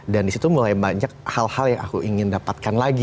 dan disitu mulai banyak hal hal yang aku ingin dapatkan lagi